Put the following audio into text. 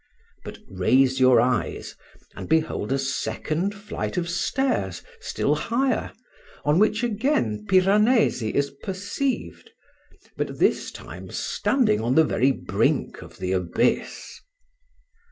But raise your eyes, and behold a second flight of stairs still higher, on which again Piranesi is perceived, but this time standing on the very brink of the abyss.